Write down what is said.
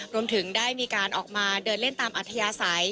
รวมถึงได้มีการออกมาเดินเล่นตามอัธยาศัย